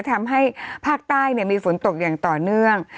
ทำให้ภาคใต้มีฝนตกอย่างต่อเนื่อง